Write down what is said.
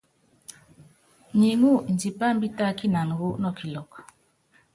Nyiŋú indipá imbítákinan wu nɔkilɔk.